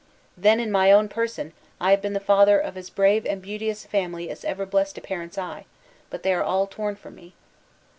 Then, in my own person, I have been the father of as brave and beauteous a family as ever blessed a parent's eye; but they are all torn from me.